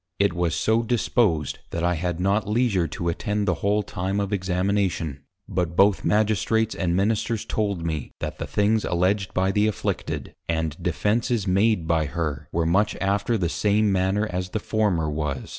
It was so disposed, that I had not leisure to attend the whole time of Examination, but both Magistrates and Ministers told me, that the things alledged by the afflicted, and defences made by her, were much after the same manner as the former was.